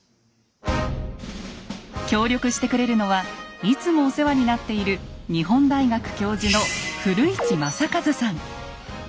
協力してくれるのはいつもお世話になっている日本大学教授の古市昌一さん。